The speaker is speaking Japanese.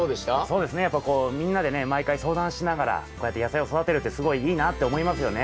そうですねやっぱこうみんなでね毎回相談しながらこうやって野菜を育てるってすごいいいなあって思いますよね。